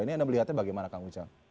ini anda melihatnya bagaimana kang ujang